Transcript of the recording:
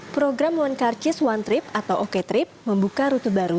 program one car chase one trip atau oko trip membuka rute baru